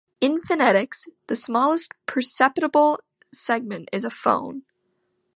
In phonetics, the smallest perceptible segment is a phone.